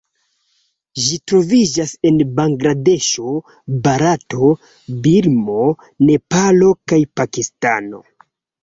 Ĝi troviĝas en Bangladeŝo, Barato, Birmo, Nepalo kaj Pakistano.